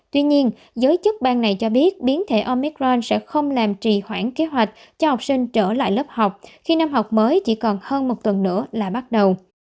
tuy nhiên giới chức bang này cho biết biến thể omicron sẽ không làm trì khoảng kế hoạch cho học sinh trở lại lớp học khi năm học mới chỉ còn hơn một tuần nữa là bắt đầu